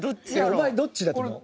お前どっちだと思う？